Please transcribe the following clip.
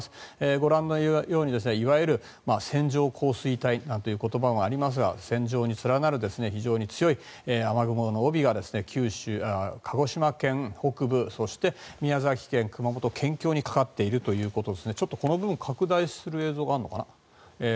ご覧のようにいわゆる線状降水帯なんていう言葉もありますが線状に連なる非常に強い雨雲の帯が鹿児島県北部そして宮崎県、熊本県境にかかっているということで。